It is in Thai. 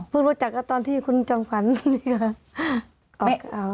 เพิ่งรู้จักก็ตอนที่คุณจำขวัญออกออก